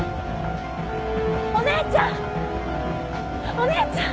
お姉ちゃん！